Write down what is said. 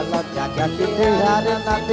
putih rambut besi tetapi